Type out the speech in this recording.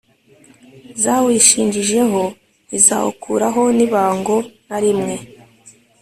zawishinjijeho ntizawukuraho n’ibango na limwe